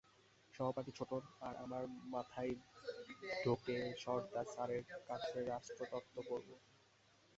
সহপাঠী ছোটন আর আমার মাথায় ঢোকে সরদার স্যারের কাছে রাষ্ট্রতত্ত্ব পড়ব।